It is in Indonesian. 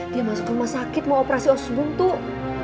dia masuk rumah sakit mau operasi osbook tuh